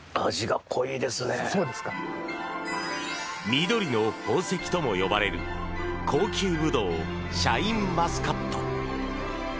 緑の宝石とも呼ばれる高級ブドウシャインマスカット。